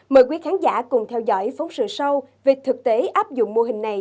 mời quý khán giả cùng theo dõi phóng sự sau về thực tế áp dụng mô hình này